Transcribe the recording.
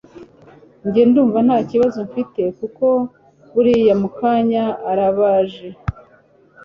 Njye ndumva ntakibazo mfite kuko buriya mu kanya arabaje